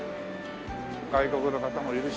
外国の方もいるし。